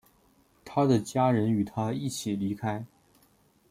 他的家人与他一起离开。